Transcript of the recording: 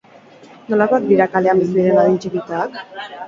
Nolakoak dira kalean bizi diren adin txikikoak?